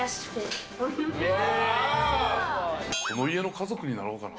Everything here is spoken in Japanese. この家の家族になろうかな。